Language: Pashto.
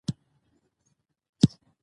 جګړه د حل لاره نه ده.